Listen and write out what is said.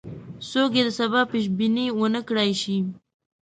څوک یې د سبا پیش بیني ونه کړای شي.